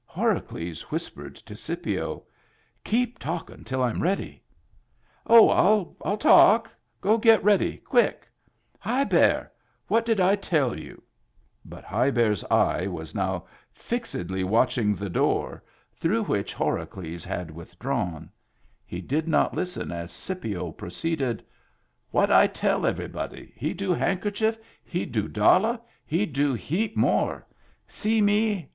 Horacles whispered to Scipio :—" Keep talking till I'm ready." "Oh, I'll talk. Go get ready quick, — High Bear, what I tell you ?" But High Bear's eye was now fixedly watching the door through Digitized by Google 64 MEMBERS OF THE FAMILY which Horacles had withdrawn ; he did not listen as Scipio proceeded. "What I tell everybody? He do handkerchief. He do dollar. He do heap more. See me.